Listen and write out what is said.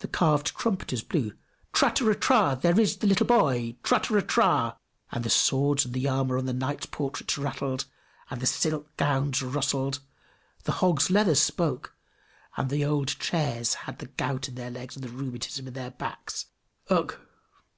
The carved trumpeters blew, "Trateratra! There is the little boy! Trateratra!" and the swords and armor on the knights' portraits rattled, and the silk gowns rustled; the hog's leather spoke, and the old chairs had the gout in their legs and rheumatism in their backs: Ugh!